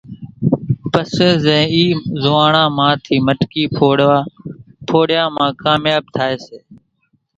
پسي زين اِي زوئاڻان مان ٿي مٽڪي ڦوڙيا مان ڪامياٻ ٿائي سي ۔